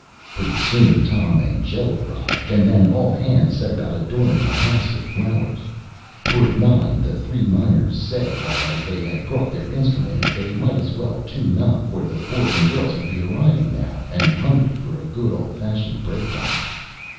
Pretty soon Tom and Joe arrived, and then all hands set about adoring the house with flowers. Toward nine the three miners said that as they had brought their instruments they might as well tune up, for the boys and girls would soon be arriving now, and hungry for a good, old fashioned break down.